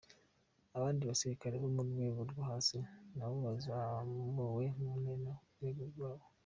Abandi basirikare bo mu rwego rwo hasi nabo bazamuwe mu ntera ku rwego rwabo.